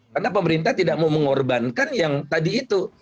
karena pemerintah tidak mau mengorbankan yang tadi itu